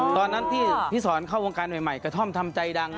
ตอนนั้นที่พี่สอนเข้าวงการใหม่กระท่อมทำใจดัง